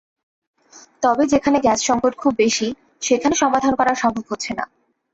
তবে যেখানে গ্যাস-সংকট খুব বেশি, সেখানে সমাধান করা সম্ভব হচ্ছে না।